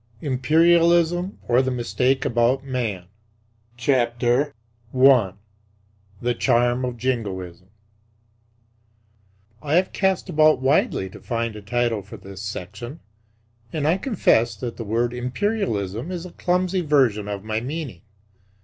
IMPERIALISM, OR THE MISTAKE ABOUT MAN I. THE CHARM OF JINGOISM I have cast about widely to find a title for this section; and I confess that the word "Imperialism" is a clumsy version of my meaning.